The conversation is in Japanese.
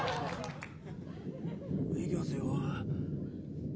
いきますよ。